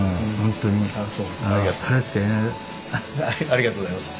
ありがとうございます。